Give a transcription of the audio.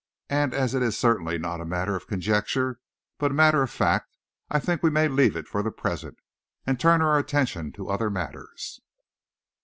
And as it is certainly not a matter of conjecture, but a matter of fact, I think we may leave it for the present, and turn our attention to other matters."